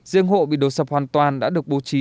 riêng hộ bị đổ sập hoàn toàn đã được bố trí